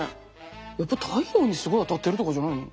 やっぱ太陽にすごい当たってるとかじゃないの？